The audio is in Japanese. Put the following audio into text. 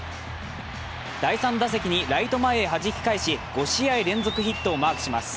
第３打席にライト前へはじき返し５試合連続ヒットをマークします。